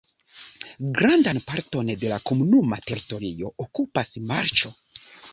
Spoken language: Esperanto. Grandan parton de la komunuma teritorio okupas marĉo.